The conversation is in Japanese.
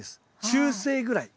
中性ぐらい。